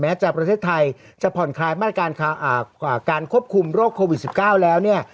จะประเทศไทยจะผ่อนคลายมาตรการการควบคุมโรคโควิด๑๙แล้วเนี่ย